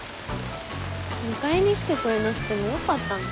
迎えに来てくれなくてもよかったのに。